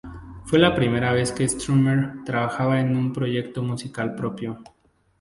Fue la primera vez que Strummer trabajaba en un proyecto musical propio.